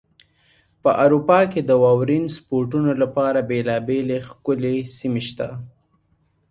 په اروپا کې د واورین سپورتونو لپاره بېلابېلې ښکلې سیمې شته.